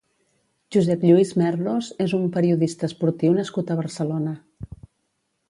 Josep Lluís Merlos és un periodista esportiu nascut a Barcelona.